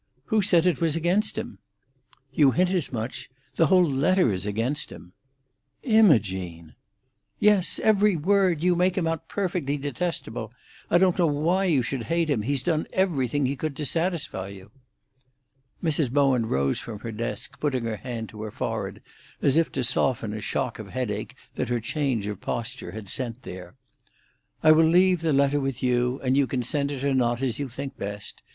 "Who said it was against him?" "You hint as much. The whole letter is against him." "Imogene!" "Yes! Every word! You make him out perfectly detestable. I don't know why you should hate him, He's done everything he could to satisfy you." Mrs. Bowen rose from her desk, putting her hand to her forehead, as if to soften a shock of headache that her change of posture had sent there. "I will leave the letter with you, and you can send it or not as you think best.